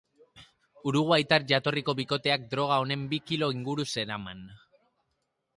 Uruguaitar jatorriko bikoteak droga honen bi kilo inguru zeraman.